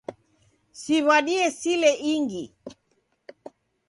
Siwadie sile ingi